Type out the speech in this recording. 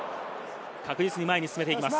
確実に前に進めていきます。